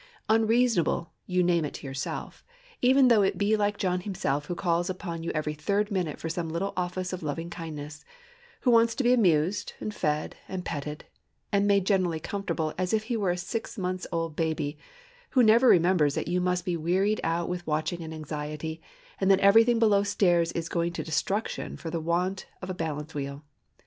"Unreasonable," you name it to yourself, even though it be John himself who calls upon you every third minute for some little office of loving kindness; who wants to be amused and fed and petted, and made generally comfortable as if he were a six months old baby; who never remembers that you must be wearied out with watching and anxiety, and that everything below stairs is going to destruction for the want of a balance wheel.